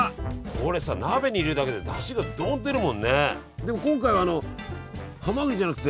これさ鍋に入れるだけでだしがどんと出るもんね。